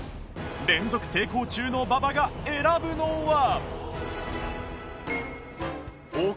連続成功中の馬場が選ぶのは